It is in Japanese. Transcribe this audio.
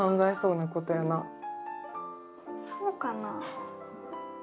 そうかなあ。